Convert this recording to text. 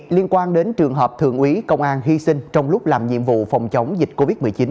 liên quan đến trường hợp thượng úy công an hy sinh trong lúc làm nhiệm vụ phòng chống dịch covid một mươi chín